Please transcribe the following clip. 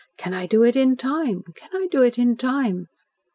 Can I do it in time? Can I do it in time?'